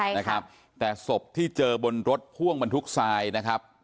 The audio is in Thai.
ใช่นะครับแต่ศพที่เจอบนรถพ่วงบรรทุกทรายนะครับ